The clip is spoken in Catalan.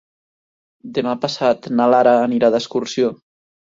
Demà passat na Lara anirà d'excursió.